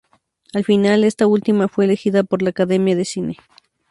Al final, esta última fue elegida por la Academia de cine.